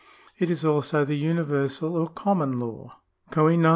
It is also the Universal or Common Law (/coiro?